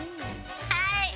はい！